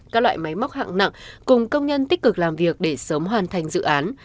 các loại máy móc hạng nặng cùng công nhân tích cực làm việc để sớm hoàn thành dự án